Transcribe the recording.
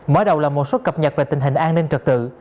mở đầu là một số cập nhật về tình hình an ninh trật tự